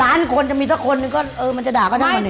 ล้านคนมีเท่าคนนึงมันจะด่าก็จะด่า